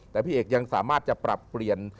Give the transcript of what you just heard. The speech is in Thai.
แต่พี่เอกยังสามารถจะปรับเปลี่ยน